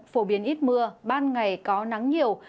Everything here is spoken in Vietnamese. phổ biến ít mưa ban ngày có nắng nhiều